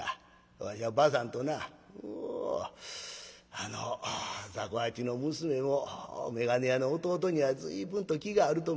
わしゃばあさんとなあの雑穀八の娘も眼鏡屋の弟には随分と気があると見える。